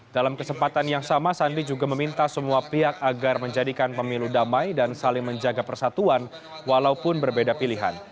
dalam kesempatan yang sama sandi juga meminta semua pihak agar menjadikan pemilu damai dan saling menjaga persatuan walaupun berbeda pilihan